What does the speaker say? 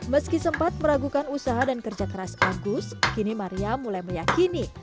meski sempat meragukan usaha dan kerja keras agus kini maria mulai meyakini